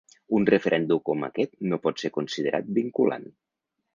Un referèndum com aquest no pot ser considerat vinculant.